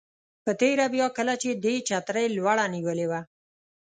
په تېره بیا کله چې دې چترۍ لوړه نیولې وه.